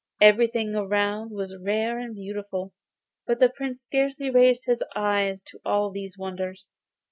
Everything around was rare and beautiful, but the Prince scarcely raised his eyes to all these wonders.